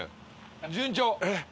順調。